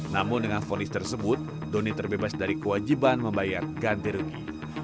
namun dengan fonis tersebut doni terbebas dari kewajiban membayar ganti rugi